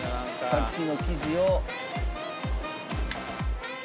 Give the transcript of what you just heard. さっきの生地を。